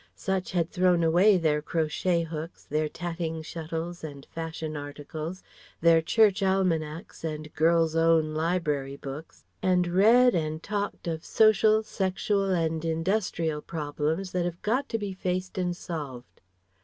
Such had thrown away their crochet hooks, their tatting shuttles and fashion articles, their Church almanacs, and Girl's Own Library books, and read and talked of social, sexual, and industrial problems that have got to be faced and solved.